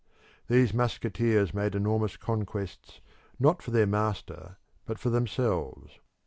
These musketeers made enormous conquests not for their master but for themselves.